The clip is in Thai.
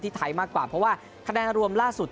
ไทยมากกว่าเพราะว่าคะแนนรวมล่าสุด